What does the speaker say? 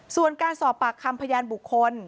ส่วนการสอบปากคำพยานบุคคล